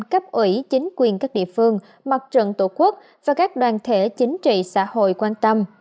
cấp ủy chính quyền các địa phương mặt trận tổ quốc và các đoàn thể chính trị xã hội quan tâm